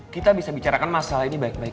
kita bisa bicarakan masalah ini baik baik